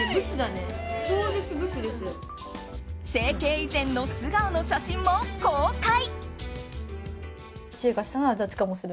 整形以前の素顔の写真も公開！